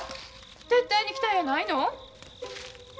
手伝いに来たんやないの？